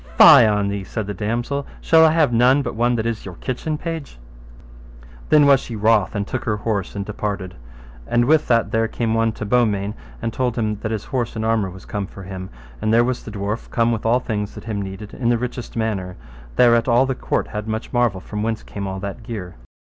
Fie on thee, said the damosel, shall I have none but one that is your kitchen page? Then was she wroth and took her horse and departed. And with that there came one to Beaumains and told him his horse and armour was come for him; and there was the dwarf come with all thing that him needed, in the richest manner; thereat all the court had much marvel from whence came all that gear.